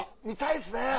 見たいですね。